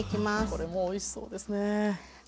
これもおいしそうですね。